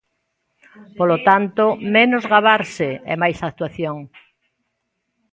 Polo tanto, menos gabarse e máis actuación.